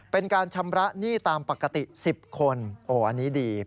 เป็นการชำระหนี้ตามปกติ๑๐คน